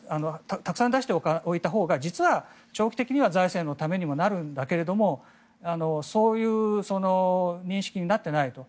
たくさん出しておいたほうが実は長期的には財政のためにもなるんだけどそういう認識になっていないと。